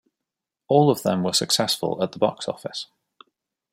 All of them were successful at the box office.